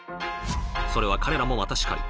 それは彼らもまたしかり。